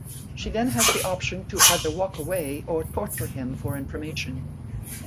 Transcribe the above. She then has the option to either walk away or torture him for information.